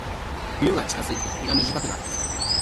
冬が近づいて、日が短くなってきた。